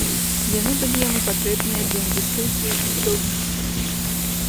Яны былі яму патрэбныя для інвестыцый у будаўніцтва.